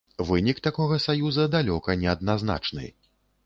Вынік такога саюза далёка не адназначны.